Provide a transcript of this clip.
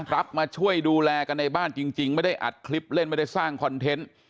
รับมาช่วยดูแลกันในบ้านจริงไม่ได้อัดคลิปเล่นไม่ได้สร้างคอนเทนต์